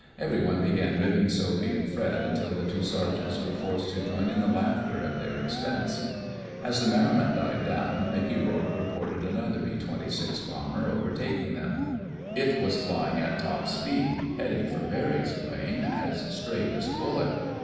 Everyone began ribbing Soapy and Fred, until the two sergeants were forced to join in the laughter at their expense. As the merriment died down, Mickey Rourke reported another B 26 bomber overtaking them. It was flying at top speed, heading for Barry's plane as straight as a bullet.